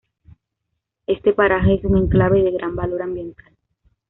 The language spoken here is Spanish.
Este paraje es un enclave de gran valor ambiental.